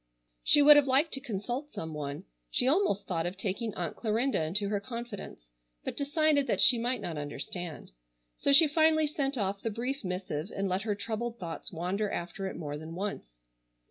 She would have liked to consult some one. She almost thought of taking Aunt Clarinda into her confidence, but decided that she might not understand. So she finally sent off the brief missive, and let her troubled thoughts wander after it more than once.